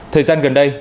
thời gian gần đây